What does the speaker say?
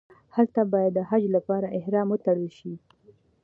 هلته باید د حج لپاره احرام وتړل شي.